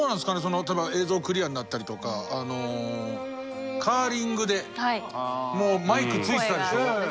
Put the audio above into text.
例えば映像クリアになったりとかカーリングでもうマイク付いてたでしょ。